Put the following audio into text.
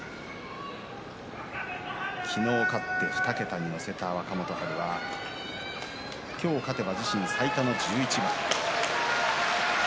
昨日、勝って２桁に乗せた若元春は今日勝てば自身最多の１１番。